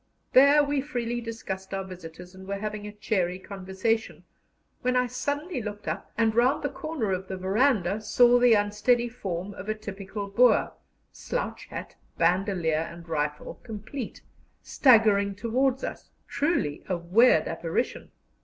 There we freely discussed our visitors, and were having a cheery conversation, when I suddenly looked up, and round the corner of the verandah saw the unsteady form of a typical Boer slouch hat, bandolier, and rifle, complete staggering towards us, truly a weird apparition.